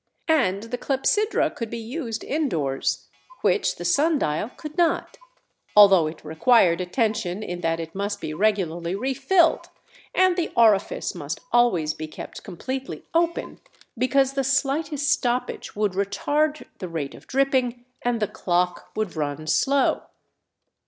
And the clepsydra could be used indoors, which the sun dial could not, although it required attention in that it must be regularly refilled and the orifice must always be kept completely open, because the slightest stoppage would retard the rate of dripping and the "clock" would run slow.